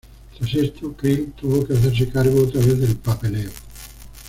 Tras esto, Creel tuvo que hacerse cargo otra vez del "papeleo".